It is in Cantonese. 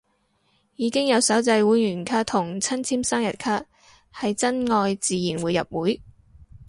已經有手製會員卡同親簽生日卡，係真愛自然會入會